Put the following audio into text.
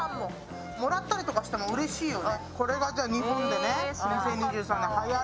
もらったりとかしてもうれしいよね。